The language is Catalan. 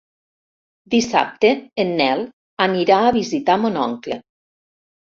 Dissabte en Nel anirà a visitar mon oncle.